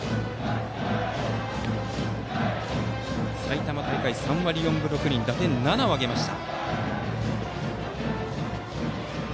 埼玉大会、３割４分６厘打点７を挙げました。